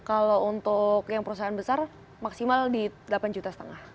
kalau untuk yang perusahaan besar maksimal di delapan juta setengah